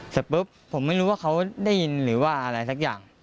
เสร็จปุ๊บผมไม่รู้ว่าเขาได้ยินหรือว่าอะไรสักอย่าง